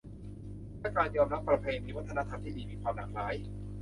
และการยอมรับประเพณี วัฒนธรรมที่ดีที่มีความหลากหลาย